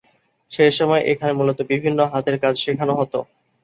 সেসময় এখানে মূলত বিভিন্ন হাতের কাজ শেখানো হতো।